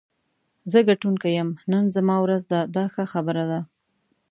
زه ګټونکی یم، نن زما ورځ ده دا ښه خبرې دي.